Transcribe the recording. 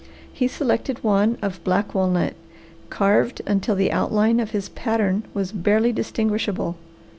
He selected one of black walnut, carved until the outline of his pattern was barely distinguishable.